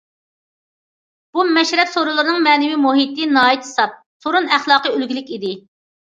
بۇ مەشرەپ سورۇنلىرىنىڭ مەنىۋى مۇھىتى ناھايىتى ساپ، سورۇن ئەخلاقى ئۈلگىلىك ئىدى.